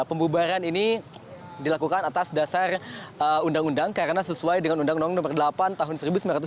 pembubaran ini dilakukan atas dasar undang undang karena sesuai dengan undang undang nomor delapan tahun seribu sembilan ratus empat puluh